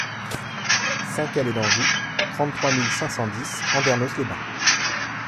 cinq allée d'Anjou, trente-trois mille cinq cent dix Andernos-les-Bains